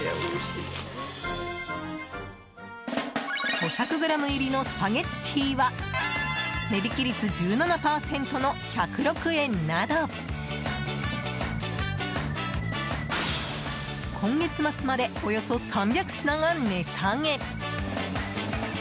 ５００ｇ入りのスパゲッティは値引き率１７％の１０６円など今月末までおよそ３００品が値下げ。